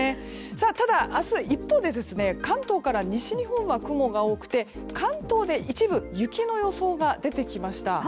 ただ、明日は一方で関東から西日本は雲が多くて、関東で一部雪の予想が出てきました。